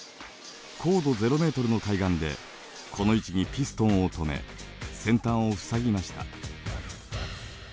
高度０ｍの海岸でこの位置にピストンを止め先端を塞ぎました。